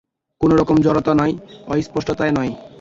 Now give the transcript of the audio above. কোনো রকম জড়তা নয়, অস্পষ্টতা নয়।